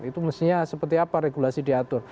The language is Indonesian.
itu mestinya seperti apa regulasi diatur